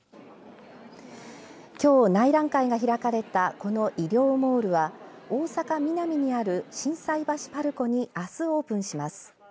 きょう、内覧会が開かれたこの医療モールは大阪、ミナミにある心斎橋ＰＡＲＣＯにあす、オープンします。